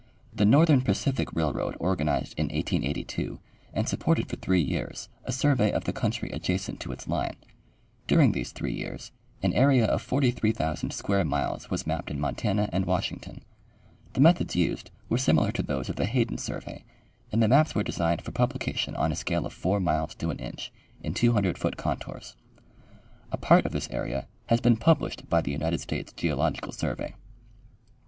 The Northern Pacific railroad organized in 1882, and sup ported for three years, a survey of the country adjacent to its line. During these three years an area of 43,000 square miles was mapped in Montana and Washington. The methods used were similar to those of the Hayden survey, and the maps were designed for publication on a scale of 4 miles to an inch, in 200 foot contours. A part of this area has been published by the United States Geological survey.